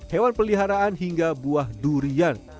hewan peliharaan hingga buah durian